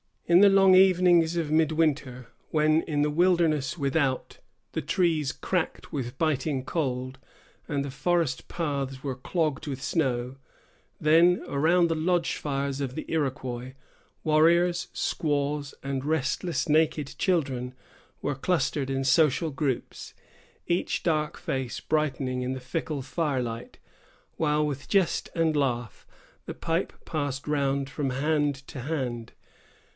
In the long evenings of midwinter, when in the wilderness without the trees cracked with biting cold, and the forest paths were clogged with snow, then, around the lodge fires of the Iroquois, warriors, squaws, and restless naked children were clustered in social groups, each dark face brightening in the fickle fire light, while, with jest and laugh, the pipe passed round from hand to hand.